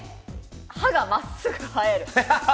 歯が真っすぐはえる。